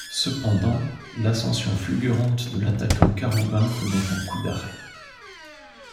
Cependant, l'ascension fulgurante de l'attaquant quaroubain connaît un coup d'arrêt.